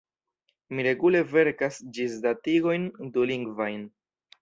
Mi regule verkas ĝisdatigojn dulingvajn.